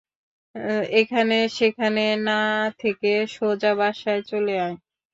এখানে সেখানে না থেকে সোজা বাসায় চলে আয়!